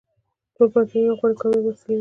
ټول پوهنتونونه غواړي کامیاب محصلین ولري.